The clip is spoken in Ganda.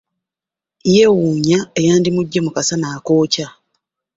Yeewuunya eyandimugye mu kasana akookya.